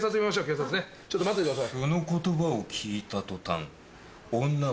ちょっと待っててください。